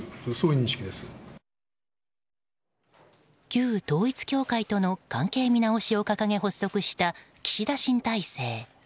旧統一教会との関係見直しを掲げ発足した岸田新体制。